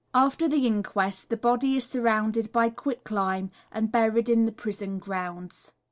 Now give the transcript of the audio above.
After the inquest the body is surrounded by quick lime and buried in the prison grounds.